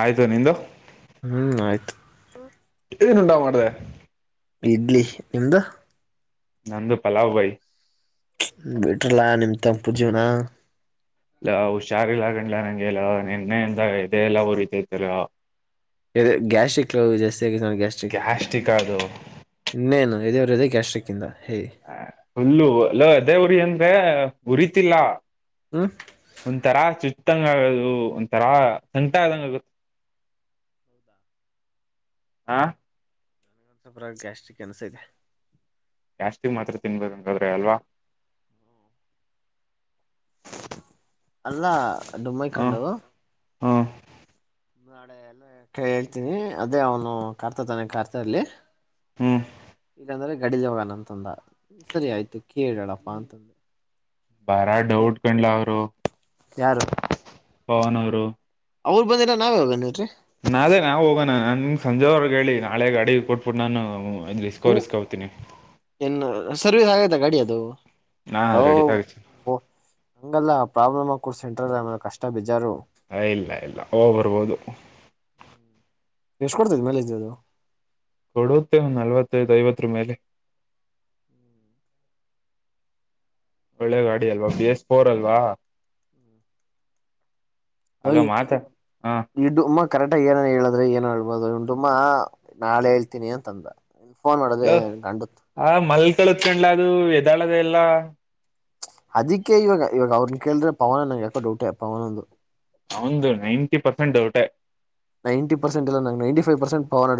ಆಯ್ತು ನಿಂದು ಹ್ಮ್ ಆಯ್ತು ಏನು ಊಟ ಮಾಡಿದೆ ಇಡ್ಲಿ ನಿಮ್ದ ನಂದು ಪಲಾವ್ ಭೈ ಬಿಟ್ರಲ್ಲಾ ನಿಮ್ ತಮಪು ಜೀವನ ಲ್ಲ ಹುಷಾರಿಲ್ಲಗೊಂಡಲ ನಂಗೆಲ್ಲ ನಿನ್ನೆ ಎದೆ ಎಲ್ಲ ಉರಿತೈತೆ ಲೋ ಗ್ಯಾಸ್ಟ್ರಿಕ್ ಜಾಸ್ತಿ ಆಗ ಗ್ಯಾಸ್ಟ್ರಿಕ್ ಗ್ಯಾಸ್ಟಿಕ್ ಅದು ಇನ್ನೇನು ಎದೇ ಅವ್ರದೇ ಗ್ಯಾಸ್ಟ್ರಿಕ್ ಇಂದ ಹೇ ಹ ಪುಲ್ಲು ಲೂ ಎದೇ ಉರಿ ಅಂದ್ರೆ ಉರಿತಿಲ್ಲ ಹ್ಮ್ ಒಂತರ ಚುಚ್ಚು ಗತ್ತಂಗ ಆಗದು ಒಂಥರಾ ಸಂಟ ಆದದಂಗ ಆಗುತ್ತ ಹ ನ ಸ್ವಪರ ಗ್ಯಾಸ್ಟ್ರಿಕ್ ಅನ್ಸೈತೆ ಎಷ್ಟಿಗೆ ಮಾತ್ರ ತಿನ್ಬೇಕಂತಾದ್ರೆ ಅಲ್ವಾ. ಅಲ್ಲ ಮ್ಮೈ ಹ ಕಂಡು ಹ ನಾಳೆ ಎಲ್ಲ ಕ ಹೇಳ್ತೀನಿ ಅದೇ ಅವನು ಕಾರ್ತ ತಾನೆ ಕಾರ್ತ ಅಲ್ಲಿ ಹ್ಮ್ ಇಲ್ಲಂದ್ರೆ ಗಡಿದಾಗಾನ ಅಂತಂದ ಸರಿ ಆಯ್ತು ಕೇಳಪ್ಪಾ ಅಂತಂದೆ. ಬಾರ ಏ ಡೌಟ್ ಕಂಡ್ಲ ಅವರು, ಯಾರು ಬನೂರು, ಅವ್ ಬಂದಿ ನಾವೇದೇಡ್ರಿ. ನದೇ ನಾವವು ಹೋಗೋಣ ನನ್ ಸಂಜೆವರ್ಗ ಹೇಳಿ ನಾಳೆ ಗಾಡಿ ಕೊಟ್ಬಿಟ್ಟು ನಾನು ಹ್ಮ ಇಸ್ಕೋಸ್ತೀನಿ ಏನ್ ಸರ್ವಿಸ್ ಆಗೈತ ಗಾಡಿ ಅದು ರೆಡಿ ಆಗ ಅಲ್ಲ. ಪ್ರಾಬ್ಲಮ್ಗಿಡ್ಸೆಂಟ್ರ ಕಷ್ಟ ಬಜರು. ಇಲ್ಲ ಇಲ್ಲ ಹೋಗ್ ಬರ್ಬೋದು ಎಷ್ಟು ಕೊಡ್ತಿದ್ ಮೇಲೆ ಇದ್ದದು. ಕೊಡತ್ತು ನಲ್ವತ್ತ ಐವತ್ತು ರೂಮ ಅಲೆ, ಒಳ್ಳೆ ಗಾಡಿ ಅಲ್ವಾ ಬಿ ಎಸ್ ಫೋರ್ ಅಲ್ವಾ. ಹ ಅಲೋ ಮಾತಾ ಹ ಇದುಮ್ಮ ಕರೆಕ್ಟಾಗಿ ಏನನ್ ಹೇಳಿದ್ರೆ ಏನೋ ಹಳ್ಬೋದು ಉಂಡುಮ್ಮಾ ನಾಳೆ ಹೇಳ್ತಿನನಿ ಅಂತ ಅಂದ. ಇ ಫೋನ್ ಮಾಡಿದ್ರೆ ಗಂಡತ್ ತ್ಕೊಂಡ್ಲ ಅದು ಎದಾಳದೆ ಎಲ್ಲ ಅದಕ್ಕೆ ಇವಾಗ ಇವಾಗ ಅವ್ರನ್ ಕೇಳಿದ್ರೆ ಪವನ ನಂಗೆ ಯಾಕೋ ಡೌಟೆ ಪವನ್ದು ಹಂದು ನೈನ್ಟಿ ಪರ್ಸೆಂಟ್ ಡೌಟೇ ನೈಟಿ ಪರ್ಸೆಟ್ ಇಲ್ಲ ನೈಟಿಫೈ್ ಪರ್ೆಟ್ ಪಡ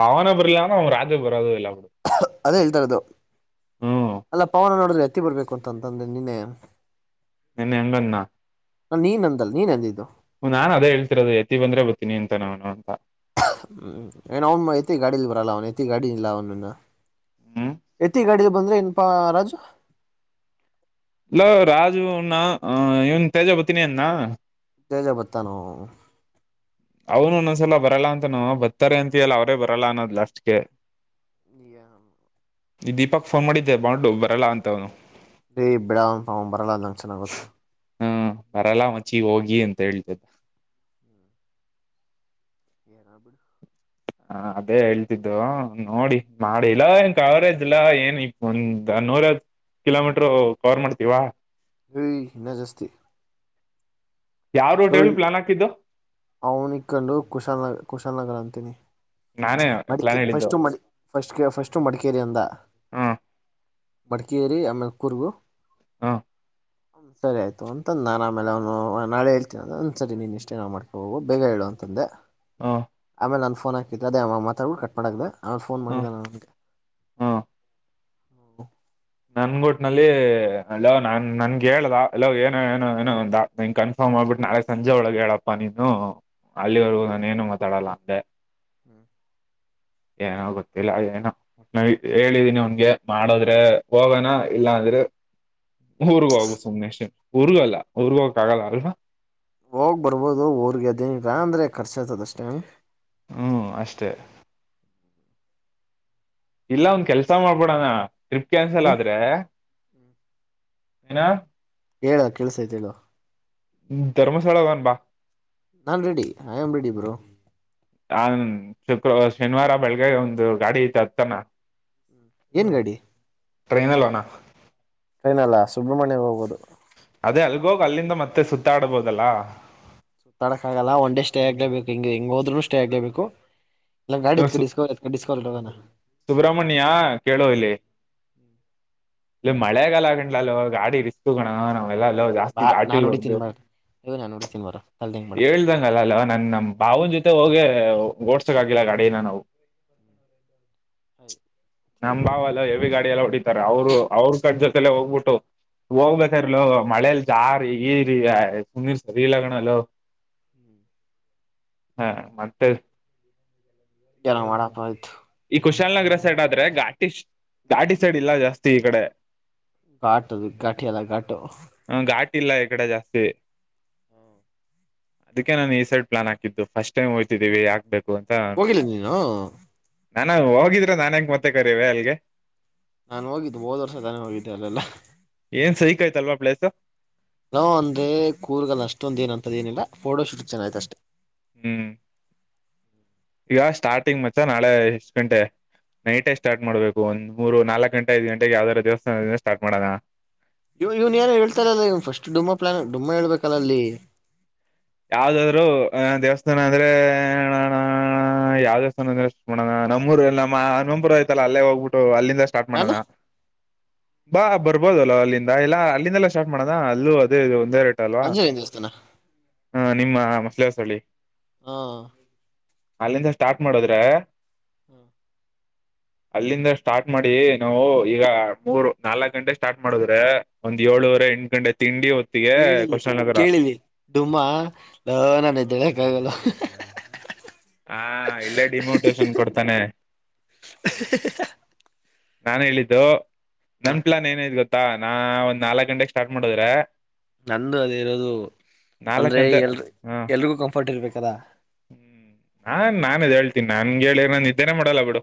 ಪವನಪುರಲ್ಲಾನ ಅವನು ರಾಜಜಪುರ ಅದು ಇಲ್ಲ. ಬಿಡು ಅದೇ ಹೇಳ್ತಾರದು ಹ್ಮ್ ಅಲ್ಲ ಪವನ ನೋಡ್ರಿ, ಕತ್ತಿ ಬರ್ಬೇಕು ಅಂತಂತಂದ್ರೆ ನಿನ್ನೆ, ನಿನ್ನೆ ಎಲ್ಲ್ಣ ನ ನೀನ್ಂದಲ್ಲ ನೀನ್ಂದಿದ್ದು ನಾನ್ ಅದೇ ಹೇಳ್ತಿರೋದು ಎತ್ತತಿ ಬಂದ್ರೆ ಗೊತೀಿನಿ ಅಂತ ನನು ಅಂತ ಹ್ಮ ಏನು ಅವನು ಎೇ ಗಾಡಿಿಯಲ್ಲಿ ಬರ ಲನು ಎತಿ ಗಾಡಿಲ್ಲಿ ಲಾವನು ಹ್ಮ್ ಎತ್ತಿ ಗಾಡಿಗೆ ಬಂದ್ರೆ ಇನಪಾ ರಾಜು. ಇಲ್ಲ ರಾಜು ನ ಇವನ್ ತೇಜ ಬತೀಿನಿ ಅನ್ನ, ತೇಜ ಬತ್ತಾನ? ಅವನು ಒಂದೊಂದ್ಸಲ ಬರಲ್ಲ ಅಂತನ ಬರ್ತಾರೆ ಅಂತಿಯಲ್ಲ ಅವರೇ ಬರಲ್ಲ ಅನ್ನೋ್ ಅಷ್ಟಕ್ಕೆ, ಈ ಈ ದೀಪಕ್ ಫೋನ್ ಮಾಡಿದ್ದೆ ಬು ಬರಲ್ಲ ಅಂತವ್ನು. ರೇ ಬಿಡ ಅವ ಬರಲ್ಲಂಗಗೆ ಚೆನ್ನಾಗೊತ್ತು. ಹ್ಮ ಬರಲ್ಲ ಮಚಿ ಹೋಗಿ ಅಂತ ಹೇಳ್ತಿದ್ದ ಯರಬ ಹ ಅದೇ ಹೇಳ್ತಿದ್ದು ನೋಡಿ ಮಾಡಿಲ್ಲ ಏನ್ ಕವರೇಜ್ಲ್ಲಾ ಏನ್ ಇಪ್ಪ ಮುಂದ ನೂರ ಕಿಲೋಮೀಟರು ಕವರ್ ಮಾಡ್ತೀವಾ. ನ ಜಾಸ್ತಿ ಯಾವ ರೂಟ್ ಹೇಳಿ ಪ್ಲಾನ್ ಹಾಕಿದ್ದು ಅವನ ಕೊಂಡು ಕುಶಾಲನಗ ಕುಶಾಲನಗರ ಅಂತ ನೀ ನಾನೇ ಪ್ಲಾನ್ ಮಡಿಕೆ ಹೇಳಿದ್ದು ಫಸ್ಟು ಮ ಫಸ್ಟ್ ಫಸ್ಟು ಮಡಿಕೇರಿಯಂದ ಹ್ಮ್ ಬಡಕೇರಿ ಆಮೇಲೆ ಕೊರ್ಗು ಹಾ ಹ್ಮ ಸರಿ ಆಯ್ತು ಒಂತಂದ ನಾನನ್ ಆಮೇಲೆ ಅವನು ನಾಳೆ ಒಂದ್ ಸರಿ ನೀನು ಇಷ್ಟೇ ನ ಮಾಡ್ಕೊಬೋು ಬೇಗ ಹೇಳುವ ಅಂತಂದೆ ಹ ಆಮೇಲೆ ನಾನನ್ ಫೋನ್ ಹಾಕಿದೆ ಅದೇ ಮಾತಾಡ ಕಟ್ ಮಾಡೆ ಅವ ಫನ್ ಹ್ಮ್ ಮಾಡಿದಗೆ. ಹ್ಮ್ ಹ್ಮ ನನ್ಗುಟ್ನಲ್ಲಿ ಅಲ್ಲೋ ನಾನ್ ನನ್ಗೆ ಹೇಳ್ದ ಅಲ್ಲೋ ಏನೋ ಏನೋ ಏನೋ ಅಂದ ಕನ್ಫರ್ಮ. ಮಾಡ್ಬಿಟ್ಟು ನಾಳೆ ಸಂಜೆ ಒಳಗೆ ಹೇಳಪ್ಪಾ ನೀನು ಅಲ್ಲಿವರೆಗೂ ನಾನು ಏನು ಮಾತಾಡಲ್ಲ ಅಂದೆ. ಹ್ಮ್ ಏನೋ ಗೊತ್ತಿಲ್ಲ ಏನೋ ಹೇಳಿದೀನಿ ಅವನ್ಗೆ ಮಾಡದ್ರೆ. ಹೋಗೋಣ ಇಲ್ಲಾ ಅಂದ್ರೆ ಊರ್ಗ ಹೋಗು ಸುಮ್ನೆ ಅಷ್ಟೇ. ಉರ್ಗಲ್ಲ ಉರ್ಗೋಕ್ಕ ಆಗಲ್ಲ ಅಲ್ವಾ. ಹೋಗ್ ಬರ್ಬೋದು ಊರ್ಗೆ ಅದೇಗ ಅಂದ್ರೆ ಕರ್ಚು ಆಯ್ತದ ಅಷ್ಟೇ. ಹ್ಮ್ ಅಷ್ಟೇ. ಇಲ್ಲ ಒಂದ ಕೆಲ್ಸ ಮಾಡ್ಬೋಡಣ ಟ್ರಿಪ್ ಕ್ಯಾನ್ಸಲ್ ಹ್ಮ್ ಆದ್ರೆ. [unintelligible] ಹೇಳ ಕೆಲ್ಸ್ಥೈಥೆ ಹೇಳು. ಧರ್ಮಸ್ಥಳ ಹೋಗನ ಬಾ. ನಾನ್ ರೆಡಿ ಯಾಮ್ ರೆಡಿ ಬ್ರೋ. ನಾನ್ ಶುಕ್ರ ಶನಿವಾರ ಬೆಳಗ್ಗೆ ಒಂದು ಗಾಡಿ ಹತ್ತನ. ಏನ್ ಗಾಡಿ. ಟ್ರೈನಲ್ಲೋಣ. ಟ್ರೈನ್ನಲ್ಲ ಸುಬ್ರಹ್ಮಣ್ಯ ಹೋಗೋದು. ಅದೇ ಅಲ್ಗೋಗ್ ಅಲ್ಲಿಂದ ಮತ್ತೆ ಸುತ್ತಾಡ್ಬೋದಲ್ಲ. ಸುತ್ತಾಡಕ್ ಆಗಲ್ಲ ಒನ್ ಡೇ ಸ್ಟೇ ಆಗ್ಲೇಬೇಕು ಹಿಂಗ ಹೆಂಗ್ ಹೋದ್ರುನು ಸ್ಟೇ ಆಗ್ಲೇಬೇಕು. ಇಲ್ಲ ಎತ್ಕೋ ಡಿಸ್ಕವರಿ ಡಿಸ್ಕವರಿ ಅಲ್ಲಿ ಹೋಗನ. ಸುಬ್ರಮಣ್ಯ ಕೇಳು ಇಲ್ಲಿ. ಇಲ್ಲಿ ಮಳೆಗಾಲ ಕನಲ ಲೋ ಗಾಡಿ ರಿಸ್ಕ್ ಕಣೋ. ಅಲ್ಲ ಲೋ ಜಾಸ್ತಿ ಬಾ ಘಾಟಿ ನಾನ್ ಹೊಡ್ದು. ಹೊಡಿತೀನಿ ಬಾ ಅಯ್ಯೋ ನಾನ್ ಹೊಡಿತೀನಿ ಬಾರೋ ತಲೆ ತಿನ್ಬೇಡ ಹೇಳ್ದಂಗಲ್ಲ ಅಲ್ವಾ ನನ್ ನಮ್ಮ ಬಾವನ್ ಜೊತೆ ಹೋಗಿ ಓಡ್ಸಕ್ ಆಗಿಲ್ಲ ಗಾಡಿನ ನಾವು. ನಮ ಬಾವ ಲೋ ಹೆವಿ ಗಾಡಿ ಎಲ್ಲ ಹೊಡಿತಾರೆ ಅವರು ಕಟ್ಟ ಜೊತೆಲ್ಲ ಹೋಗ್ಬಿಟ್ಟು. ಹೋಗ್ಬೇಕರ್ಲೊ ಮಳೇಲ್ ಜಾರಿ ಗಿರಿ ಆಯ ಸುಮ್ನೀರ್ ಸರಿ ಇಲ್ಲಾ ಕಣಲೋ. ಹ್ಮ್ ಹಾ ಮತ್ತೆ. ಏನೂ ಮಾಡಪ್ಪ ಆಯ್ತು. ಕುಶಾಲ ನಗರ ಸೈಡ್ ಆದ್ರೆ ಘಾಟಿ ಘಾಟಿ ಸೈಡ್ ಇಲ್ಲ ಜಾಸ್ತಿ ಈ ಕಡೆ. ಘಾಟ್ ಅದು ಘಾಟಿ ಎಲ್ಲ ಘಾಟ್ ಅದು. ಘಾಟಿ ಇಲ್ಲ ಈ ಕಡೆ ಜಾಸ್ತಿ. ಅದಕ್ಕೆ ನಾನು ಈ ಸೈಡ್ ಪ್ಲಾನ್ ಹಾಕಿದ್ದು ಫಸ್ಟ್ ಟೈಮ್ ಹೋಗ್ತಿದ್ದೀವಿ ಯಾಕ್ಬೇಕು. ಹೋಗಿಲ್ಲ ನೀನು. ನಾನ ಅಲ್ ಹೋಗಿದ್ರೆ ನಾನ ಹೆಂಗ ಮತ್ತೆ ಕರಿವೆ ಅಲ್ಗೆ. ನಾನ್ ಹೋಗಿದ್ದು ಹೋದ ವರ್ಷ ತಾನೇ ಹೋಗಿದ್ದೆ ಅಲ್ಲೆಲ್ಲಾ. ಏನ್ ಸೈಕ್ ಆಯ್ತಲ್ವಾ ಪ್ಲೇಸ್ಸೂ. ನಾವು ಅಂದ್ರೆ ಕೂರ್ಗಲ್ ಅಷ್ಟೊಂದ ಏನಂತದ ಏನಿಲ್ಲ ಫೋಟೋ ಶೂಟ್ ಚೆನ್ನಾಗ್ ಆಯ್ತ್ ಅಷ್ಟೆ. ಹ್ಮ್ ಈಗ ಸ್ಟಾರ್ಟಿಂಗ್ ಮತ್ತೆ ನಾಳೆ ಎಸ್ಟ್ ಗಂಟೆ? ನೈಟೇ ಸ್ಟಾರ್ಟ್ ಮಾಡಬೇಕು ಒಂದ್ ಮೂರು ನಾಲಕ್ ಗಂಟೆ ಐದ ಗಂಟೆಗೆ ಯಾವ್ದಾರ ದೇವಸ್ಥಾನದಿಂದ ಸ್ಟಾರ್ಟ್ ಮಾಡೋಣ. ಇವ ಇವ್ನ್ ಏನೋ ಹೇಳ್ತಾರಲ್ಲ ಇವನ್ ಫಸ್ಟ್ ಡುಮ್ಮಾ ಪ್ಲ್ಯಾನ್ ಡುಮ್ಮಾ ಹೇಳ್ಬೇಕಲ್ ಅಲ್ಲಿ. ಯಾವ್ದಾದ್ರು ದೇವಸ್ಥಾನ ಅಂದ್ರೆ [unintelligible] ಹ ಯಾವ್ ದೇವಸ್ಥಾನದಿಂದ ಶುರು ಮಾಡಣಾ ನಮ್ಮೂರು ನಮ್ಮ ಹಣಮಂಪುರಾ ಆಯ್ತಲ್ಲ ಅಲ್ಲೇ ಹೋಗಬಿಟ್ಟು ಅಲ್ಲಿಂದ ಸ್ಟಾರ್ಟ್ ನಾನು ಮಾಡನಾ. ಬಾ ಬರ್ಬೋದ ಅಲ್ ಅಲ್ಲಿಂದ ಇಲ್ಲಾ ಅಲ್ಲಿಂದಲ್ಲೆ ಸ್ಟಾರ್ಟ್ ಮಾಡದ ಅಲ್ಲೂ ಅದೇ ಇದೇ ಒಂದೆರಡ ಆಂಜನೇಯನ್ ದೇವಸ್ಥಾನ. ಹ ನಿಮ್ಮ ಮಸಳ ಸಳ್ಳಿ ಹಾ ಅಲ್ಲಿಂದ ಸ್ಟಾರ್ಟ್ ಮಾಡದ್ರ ಹ್ಮ [inaudible] ಅಲ್ಲಿಂದ ಸ್ಟಾರ್ಟ್ ಮಾಡಿ ನಾವು ಈಗ ಮೂರ್ ನಾಲ್ಕ್ ಗಂಟೆ ಸ್ಟಾರ್ಟ್ ಮಾಡುದ್ರೆ ಒಂದ್ ಏಳು ಎಂಟು ಗಂಟೆ ತಿಂಡಿ ಹೊತ್ತಿಗೆ ಕಷಲ್ ನಗರ ಹ ನಾನ್ದೆ ಯಾಗಲ್ಲ ಹಾ ಇಲ್ಲೇ ಡಿಮ್ಯೂಟೇಶನ್ ಕೊಡ್ತಾನೆ ನಾನ್ ಹೇಳಿದ್ದು ಹ ನಮಟ್ಲಾನ್ ಏನೈ ಗೊತ್ತಾ ನಾ ಒಂದ್ ನಾಲ್ಕ್ ಗಂಟೆಗೆ ಸ್ಟಾರ್ಟ್ ಮಾಡದ್ರೆ ನಂದು ಅದ ರದು ನಾಲ್ಕ ಅಂದ್ರೆ ಅಂತೆ ಎಲ್ ಹಾ ಎಲ್ರಿಗೂ ಕಂಫರ್ಟ್ ಇರ್ಬೇಕದಾ ಹ್ಮ್ ನಾನ್ ನಾನದ್ ಹೇಳ್ತೀನಿ ನನ್ ಹೇಳಿ ನ ಇದಿದ್ದೇನೆ ಮಾಡಲ್ಲ ಬಿಡು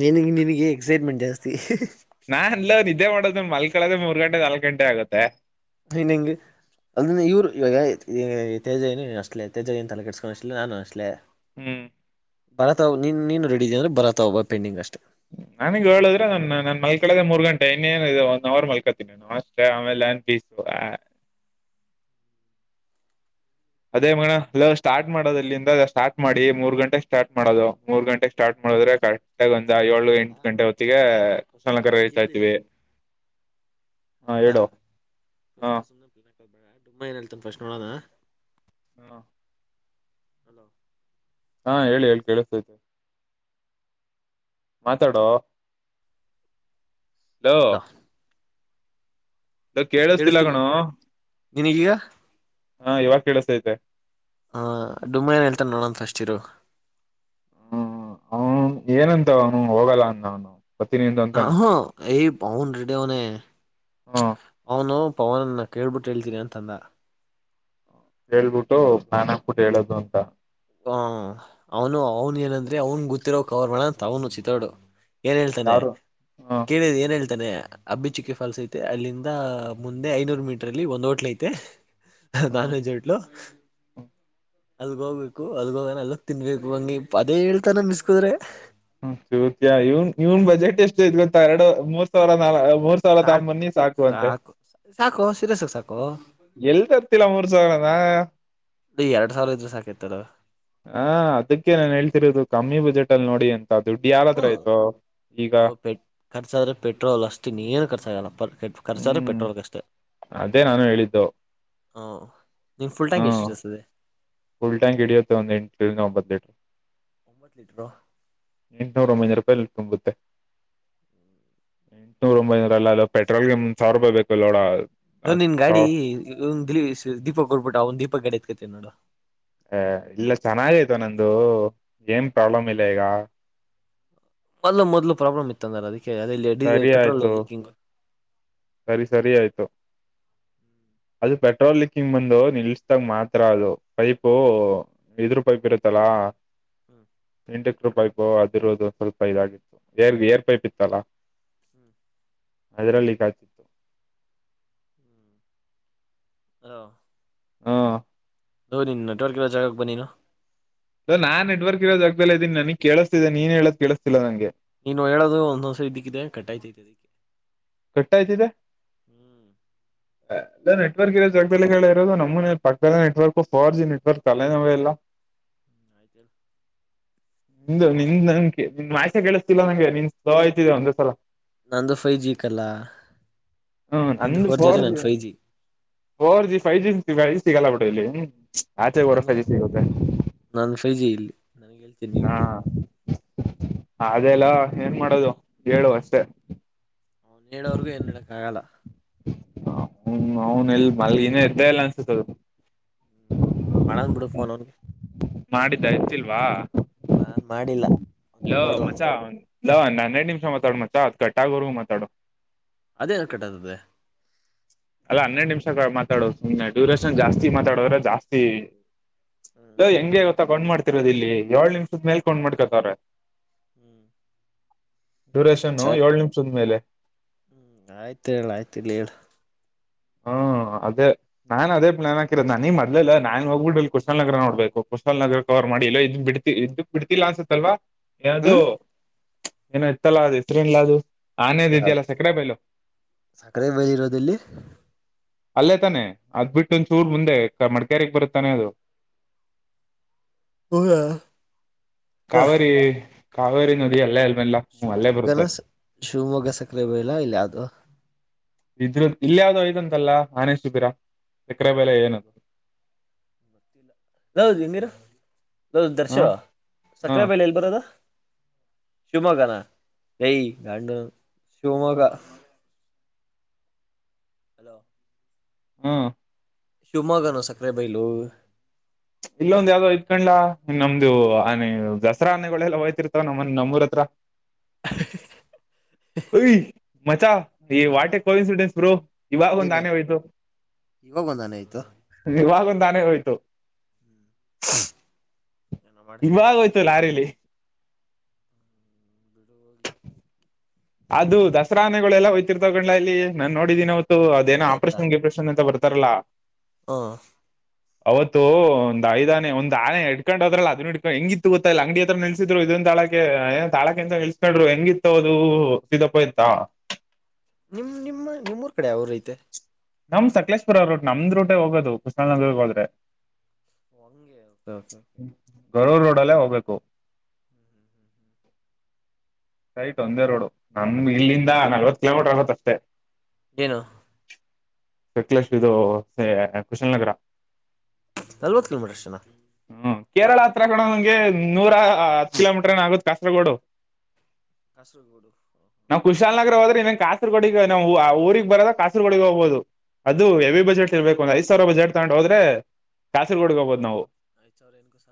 ನಿನಗೆ ನಿನಗೆ ಎಕ್ಸೈಟ್ಮೆಂಟ್ ಜಾಸ್ತಿ ನಾನ್ ಅಲ್ಲರು ಇದೇ ಮಾಡೋದು ಮಲ್ ಕಳದ ಮೂರ್ ಗಂಟೆ ನಾಲ್ಕು ಗಂಟೆ ಆಗತ್ತೆ ಹನಂಗ ಅಲ್ಲಿರಿಂದ ಇವರು ಇವಾಗ ತೇಜವಿನಿನು ಅಷ್ಟಲೇ ತೇಜವಿ ಅಂತಲ್ಲ ಕೆಸಸ್ಕೊಂಡು ಅಷ್ಟಲೇ ನಾನು ಅಷ್ಟಲೇ ಹ್ಮ್ ಬರತಾವ ನೀನ್ ನೀನು ರೆಡಿದೆ ಅಂದ್ರ ಬರತಾವ ಬ ಪೆಂಡಿಂಗ್ ಅಷ್ಟೆ ಹ್ಮ ನನಗ್ ಹೇಳುದ್ರೆ ನ ನನ್ ಮಲ್ಕಳದೆ ಮೂರ್ ಗಂಟೆ ಇನ್ನೇನ ಇದೆ ಒಂದ ಅವರ್ ಮಲ್ಕತೀನಿ ಅಷ್ಟೇ ಆಮೇಲೆನ್ ಪೀಸ್ [inaudible] ಅದೇ ಮಣ ಏನಾಗ್ಬಿಡು ಅಲ್ಲ ಸ್ಟಾರ್ಟ್ ಮಾಡೋದು ಇಲ್ಲಿಂದ ಸ್ಟಾರ್ಟ್ ಮಾಡಿ ಮೂರ್ ಗಂಟೆಗೆ ಸ್ಟಾರ್ಟ್ ಮಾಡೋದು ಮೂರ್ ಗಂಟೆಗೆ ಸ್ಟಾರ್ಟ್ ಮಾಡ ನೋದ್ರೆ ಕರೆಕ್ಟ್ಗ ಸುಮ್ನೆ ಒಂದ ಪ್ಲಾನ್ ಏಳು ಹಾಕೋದ್ ಬೇಡ ಎಂಟು ಗಂಟೆ ಹೊತ್ತಿಗೆ ಕುಸಲಕರ ರೀಚ್ ಆಯ್ತಿವಿ ಕೇಳಿಲಿ ಅಲ್ಲ ಸ್ ಹಾ ಸು ಬೇ ತುಂಬ ಏನ್ ಹೇತನ್ ಫಸ್ಟ್ ನೋಡೋಣ ಹ್ಮ ಹಲೋ ಹಾ ಹೇಳಿ ಹೇಳಿ ಕೇಳಿಸತೈತೆ ಮಾತಾಡೋ ಹಲೋ ಇ ಕೇಳಿಸತಿಲ್ಲ ಕಣು ನೀನಗೀಗ ಹಾ ಇವಾಗ ಕೇಳಸೈತೆ ಹಾ ಡುಮ್ಮನ ಹೇಳ್ತಾನ ನೋಡಂತ ಅಷ್ಟಿರು ಹ್ಮ್ ಹ ಏನಂತವ ಅವನು ಹೋಗಲ್ಲ ಅಂದ ಅವನು ಬರ್ತೀನಿಂದ ಹಾ ಅಂತಾನೆ ಹಾ ಪೌನ್ ರೀಡೆ ಅವನ ಹ್ಮ ಅವ ನ ಪವನನ್ನ ಕೇಳ್ಬಿಟ್ಟು ಹೇಳ್ತೀನಿ ಅಂತಂದ ಹೇಳ್ಬಿಟ್ಟು ನಾನಕ್ಬಿಟ್ಟು ಹೇಳೋದು ಅಂತ ಹ ಅವನು ಅವನ್ ಏನಂದ್ರಿ ಅವನ್ ಗೊತ್ತಿರೋ ಕವರ್ ಮಾಡಂತ ಅವನು ಚಿತ್ರೋಡು ಏನ್ ಹೇಳ್ತಾನೆ ಯಾರು ಹ ಕೇಳಿ ಏನ್ ಹೇಳ್ತ ನೆ ಅಬ್ಬಿಚಿಕ್ಕಿ ಫಾಲ್ಸ್ ಐತೆ ಅಲ್ಲಿಂದ ಮುಂದೆ ಐನೂರು ಮೀಟರ್ ಅಲ್ಲಿ ಒಂದ್ ಹೋಟ್ಲ ಐತೆ ಹ್ಮ್ ನಾನಜೋಟ್ಲು ಅದ ಹೋಗ್ಬೇಕ ಅದೋಗ ಅಲ್ಲಕ್ ತಿನ್ಬೇಕು ಬಂಗಿ ಅದೇ ಹೇಳ್ತಾನನ್ನಿಸಸ್ಕುದ್ರೆ ಹ ಚೋತ ಇವನ್ ಇವನ್ ಬಜೆಟ್ ಎಷ್ಟು ಇ ಗೊತ್ತಾ ಎರಡು ಮೂರ್ ಸಾವಿರ ನಾ ಸಾಕು ಸಾಕು ಸಾಕು ಸಿರೆ ಸಾಕು ಸಾಕು ಎಲ್ತತ್ತಲ ಮೂರು ಸಾವರದಾ ಎರಡ್ ಸಾವಿರ ಇದ್ರೆ ಸಾಕಿತ್ತದ ಹಾ ಅದಕ್ಕೆ ನಾನು ಹೇಳ್ತಿರೋದು ಕಮ್ಮಿ ಬಜೆಟ್ ಅಲ್ಲಿ ನೋಡಿ ಅಂತ ದುಡ್ಡು ಹ್ಮ ಯಾರತ್ರ ಆಯ್ತು ಈಗ ನಾವು ಪೆ ಖರ್ಚಾದ್ರೆ ಪೆಟ್ರೋಲ್ ಅಷ್ಟತಿ ನೀರ್ ಖರ್ಚ ಆಾಗಲ್ಲಪ್ಪರ್ ಕರ್ಚಾರೆ ಪೆಟ್ರೋಲ್ ಕಷ್ಟೆ ಅ ನಾನು ಹೇಳಿದ್ದು ಹ ನಿಮ್ ಫುಲ್ ಹ್ಮ ಟ್ಯಾಂ್ ಎಷ್ಟು್ತದೆ ಫುಲ್ ಟ್ಯಾಂಕ್ ಹಡಿಯುತ್ತೆ ಒಂದ ಎಂಟ ಒಂಬತ್ತ್ತು ಲೀಟ ಒಂಬತ್ತು ಲೀಟರು ಇನ್ನೂರು ಂಬೈದು ರೂಪಾಯಿ ಕಂಬುತ್ತ. ಎಂಟುನೂರ ಒಂಬೈನೂರ ಅಲ್ಲ ಅ ಪೆಟ್ರೋಲ್ಗೆಂದ ಸಾವರ ರೂಪಾಯಿ ಬೇಕುಲ್ ನೋಡ ನ ನಿನ್ ಗಾಡಿ ದೀಪಕ್ ಕೊಡ್ಬಿಟ್ಟ ಅವನ್ ದೀಪಕ್ ಗಾಡಿ ಎತ್ಕತನ್ ನೋಡು. ಇಲ್ಲ ಚೆನ್ನಾಗಯ್ತು ನಂದು ಏನ್ ಪ್ರಾಬ್ಲಮ್ ಇಲ್ಲ ಈಗ. ಮೊದಲು ಮದಲು ಪ್ರಾಬ್ಲಮ್ ಇತ್ತು ಅಂದ್ರ ಅದಕ್ಕೆ ಅಲ್ಲಿ ಡ ಸರಿ ಪೆಟ್ರೋಲ್ ಆಯ್ತು ಲೀಕಿಂಗ್ ಸರಿ ಸರಿ ಆಯ್ತು ಅದು ಪೆಟ್ರೋಲ್ ಲೀಕ್ಕಿಂಗ್ ಬಂದು ನಿಲ್ಸ್ದಾಗ ಮಾತ್ರ ಅದು ಪೈಪ್ು ಇದರು ಪೈಪ್ ಇರುತ್ತಲ್ಲ. ಎಂಟೆಕ್್ರರು ಪೈಪ್ ಅದಿರುವುದು ಸ್ವಲ್ಪ ಇದಾಗಿತ್ತು ರ್ ಏರ್ ಪೈಪ್ ಇತ್ತಲ್ಲಾ. ಹ್ಮ್ ಅದರಲ್ಲಿ ಕತಿತ್ತು ಹ ಹಾ ಲೋ ನಿನ್ ನೆಟ್ವರ್ಕ್ ಇರೋ ಜಾಗಕ್ಕೆ ಬಾ ನೀನು. ಲೋ ನಾ ನೆಟ್ವರ್ಕ್ ಇರೋ ಜಾಗದಲ್ಲಿ ಇದ್ದೀನಿ ನನಗ್ ಕೇಳಿಸ್ತಿದೆ ನೀನ್ ಹೇಳದ ಕೇಳಿಸ್ತಿಲ್ಲ ನಂಗೆ. ನೀನು ಹೇಳೋದು ಒಂದ್ ಬಿಗಿದೆ ಕಟ್ ಆಯ್ತೈತೆ ಕಟ್ಟಾಯ್ತಿದೇ ಲೋ ನೆಟ್ವರ್ಕ್ ಇರೋ ಜಾಗದಲ್ಲಿ ಕಲ ಇರೋದು ನಮ್ಮ ಮನೆ ಪಕ್ಕದಲ್ಲೆ ನೆಟ್ವರ್ಕ್ ಫೋರ್ ಜಿ ನೆಟ್ವರ್ಕ್ ತಲೆ ನೋವೇ ಇಲ್ಲ. [inaudible] [unintelligible] ನಿಂದು ನಿಂದ್ ನನ್ಗೆ ನಿನ್ ವಾಯ್ಸೆ ಕೆೇಳಿಸ್ತಿಲ್ಲ ನಂಗೆ ನಿನ್ ಸ್ಲೋ ಆಯ್ತಿದೆ ಒಂದ್ಸಲ. ನಂದು ಫೈವ್ ಜಿ ಕಲ್ಲ ಹಾ ನಿಂದು ನಂದು ಆದ್ರೆ ಫೋರ್ ನನ್ G five four G five G ಸಿಗಲ್ಲ ಬಿಡು ಇಲ್ಲಿ ಆಚೆ ಹೋದ್ರೆ ನನ್ ಫೋರ್ ಜಿ ಸಿಗುತ್ತೆ ನನ್ ಫೈ ಜಿ ಇಲ್ಲಿ ನನಗೆ ಹೇಳ್ತೀನಿ [inaudible] ನೀನು ಹಾ. ಅದೆೇಲೋ ಏನ್ ಮಾಡೋದು ಹೇಳು ಅಷ್ಟೆ. ಹೇಳೋವರ್ಗು ಏನು ಮಾಡಕ್ಕಾಗಲ್ಲ. ಅವ್ನ್ ಅವನ್ ಎಲ್ ಇನ್ನ ಎದ್ದೆ ಇಲ್ಲ ಅನ್ಸುತ್ತೆ ಮಾಡಂದ್ ಬಿಡು ಫೋನ್ ಅವನ್ಗೆ ಮಾಡಿದ್ದ ಎತ್ತಿಲ್ವಾ ನಾನ್ ಮಾಡಿಲ್ಲ ಲೋ ತಡೋನು ಮಚಾ ಲೋ ಹನ್ನೆರಡ್ ನಿಮಿಷ ಮಾತಾಡು ಮಚಾ ಅದು ಕಟ್ಟಾಗೋವರ್ಗೂ ಮಾತಾಡು ಅದೆಂಗ್ ಕಟ್ ಆಗ್ತದೆ ಅಲ್ಲ ಹನ್ನೆರಡು ನಿಮಿಷ ಮಾತಾಡೋದು ಸುಮ್ನೆ ಡ್ಯೂರೇಷನ್ ಜಾಸ್ತಿ ಮಾತಾಡದ್ರೆ ಜಾಸ್ತಿ ಹ್ಮ್ ಲೋ ಹೆಂಗೆ ಗೊತ್ತ ಕೌಂಟ್ ಮಾಡ್ಕೋತಿರೋದು ಇಲ್ಲಿ ಏಳ್ ನಿಮಿಷದ ಮೇಲ್ ಕೌಂಟ್ ಮಾಡ್ಕೋತಾವ್ರೆ. ಹ್ಮ್ ಡ್ಯುರೇಷನ್ ಸರಿ ಏಳು ನಿಮಿಷದ ಮೇಲೆ ಹ್ಮ್ ಆಯ್ತ ಹೇಳು ಆಯ್ತ ಇರ್ಲಿ ಹೇಳು ಹಾ ಅದೇ ನಾ ಅದೇ ಪ್ಲಾನ್ ಹಾಕಿರೋದು ನಂಗೆ ಮೊದ್ಲೇ ಲೋ ನಾನ್ ಕುಶಾಲನಗರ ನೋಬೇಕು ಕುಶಾಲನಗರ ಕೊ. ಮಾಡಿಲ್ಲ ಇದ್ ಬಿಡ್ತಿ ಇದ ಬಿಡ್ತಿಲ್ಲಾ ಅನ್ಸತ್ತಲ್ವಾ ಏ ಅದು ಹ್ಮ್ ಏನ ಇತ್ತಲ್ಲ ಅದು ಎತ್ರೈನ್ಲಾ ಅದು ಆನೆದು ಯಾವ್ದ್ ಇದಿಯಲ್ಲ ಸಿಕ್ಕರೆ ಬೇಲು ಸಕ್ಕರೆ ಬೈಲ್ ಇರೋದಲ್ಲಿ ಅಲ್ಲೇ ತಾನೆ ಅದ್ ಬಿಟ್ಟ ಒಂದಚೂರ್ ಮುಂದೆ ಮಡಕೇರಿಗ್ ಬರುತ್ತೆ ತಾನೆ ಅದು [inaudible] ಹ ದ ಕಾವೇರಿ [unintelligible] ಕಾವೇರಿ ನದಿ ಎಲ್ಎಲ್ ಶಿವಮೊಗ್ಗನ ಶಿವಮೊಗ್ಗ ಸಕ್ಕರೆ ಬೈಲು ಇಲ್ಲ ಯಾವುದು ಯಾವುದು ಇದ್ರ ಇಲ್ಲ ಯಾವುದೋ ಇದೆ ಅಂತಲ್ಲ ಆನೆ ಶಿಬಿರ ಸಕ್ಕರೆ ಬೆಲೆ ಏನು ಬತ್ತಿಲ್ಲ ಲೋ ಜಿಮ್ ಇರು ಲೋ ಹ ದರ್ಶನ್ ಹ ಸಕ್ಕರೆ ಬೆಲೆ ಎಲ್ಲಿ ಬರೋದು ಶಿವಮೊಗ್ಗಾನ ಎ ಗಂಡು ಶಿವಮೊಗ್ಗ ಹಲೋ ಹ್ಮ್ ಶಿವಮೊಗ್ಗನ ಸಕ್ಕರೆಬೈಲು ಇಲ್ಲೊಂದ ಯಾವ್ದೋ ಆಯ್ತ್ ಕಣ್ಲಾ ನಮ್ದು ಆನೆ ದಸರಾನೆೆಗಳೆಲ್ಲ ಹೋಯ್ತಿರ್ತಾವ ನಮ್ಮನ್ ನಮ್ಮೂರ ಹತ್ರ ವೈ ಮಚಾ ಈ ಹ ವಾಟೆ ಕೋಇನ್ಸಿಡೆಂಟ್ ಬ್ರೋ ಇವಾಗ ಒಂದ್ ಆನೆ ಹೋಯ್ತು ಇವಗೊಂದು ಆನೆ ಹೋಯಿತು ಇವಾಗ ಒಂದ್ ಆನೆ ಹೋಯ್ತು ಏನೋ ಮಾಡ [inaudible] ಇವಾಗ ಆನೆ ಹೋಯಿತು ಲಾರಿಲಿ ಬಿಡು ಹೋಗ್ಲಿ [unintelligible] ಅದು ದಸರಾ ಆನೆಗಳೆಲ್ಲಾ ಹೋಗ್ತಾ ಇರ್ತಾವೆ ಕಂಡ್ಲ ಇಲ್ಲಿ ನಾನ್ ನೋಡಿದೀನಿ ಅವತ್ತು ಅದೇನೋ ಆಪ್ರೇಷನ್ ಗಿಪ್ರೇಷನ್ ಅಂತ ಬರ್ತೆ ತರ್ಲಾ ಹ್ಮ್ ಅವತ್ತು ಒಂದ್ ಐದಾನನೆ ಒಂದ್ ಆನೆ ಹಡ್ಕೊಂಡ್ ಹದ್ರಲ್ಲ ಅದನ್ ಹಡ್ಕೊಂಡ್ ಹೆಂಗಿತ್ತು ಗೊತ್ತ ಇಲ್ಲ ಅಂಗಡಿ ಹತ್ರ ನೆಲ್ಸಿದ್ರು ಇದದು ನ್ ತಾಳಕ್ಕೆ ಏನ್ ತಾಳಕ್ಕೆ ಎಂತ ಹೆಲ್ಸ ನಡರು ಹೆಂಗಿತ್ತ ಅದು ವಾಸಿ ದಪ್ಪ ಇತ್ತ ನಿಮ್ ನಿಮ್ಮ ನಿಮ್ಮೂರ್ ಕಡೆ ಅವಾವ್ರಐತೆ ನಮ್ ಸಕಲೇಶ್ಪುರ ರೂಟ್ ನಮ್ದ್ ರೂಟೇ ಹೋಗೋದು ಕುಶಲ್ನಗರ್ ಹೋದ್ರೆ ಓ ಅಂಗೇ [unintelligible] ರೋಡಲ್ಲೇ ಹೋಗ್ಬೇಕು ಸೈಟ್ ಒಂದೇ ರೋಡು ನಮ್ ಇಲ್ಲಿಂದ ನಲ್ವತ್ ಕಿಲೋಮೀಟರ್ ಆಗತ್ ಅಷ್ಟೇ ಏನು ಸಕ್ಲೇಶ್ ಇದು ಕುಷಲ್ ನಗರಾ ನಲ್ವತ್ ಕಿಲೋಮೀಟರ್ ಅಷ್ಟ ನ ಹ್ಮ ಕೇರಳ ಹತ್ರ ಕೊಂಡಂಗೆ ನೂರ ಹತ್ ಕಿಲೋಮೀಟರ್ ಏನ ಆಗತ್ ಕಾಸರಗೋಡು ಕಾಸರಗೋಡುು ಹ ನನ್ ಕಾಸರ್ಗೋಡಿಗೆ ನಾವು ಆ ಊಗ್ ಬರೋದ ಕಾಸರರ್ಗೋಡಿಗೆ ಹೋಗಬಹದು ಅದು ಹೆವಿ ಬಜೆಟ್ ಇರ್ಬೇಕು ಒಂದ ಐದ ಸಾವಿರ ಬಜೆಟ್ ತಗೊಂಡು ಹೋದ್ರೆ ಕಾಸರ್ಗೋಡ್ಗೆಬೋದ ನವು ಐದು ಸಾವಿರ ಏನಕ್ಕೂ ಸಾಲ